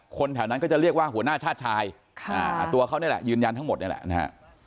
แถวนั้นก็จะเรียกว่าหัวหน้าชาติชายตัวเขานี่แหละยืนยันทั้งหมดนี่แหละนะฮะ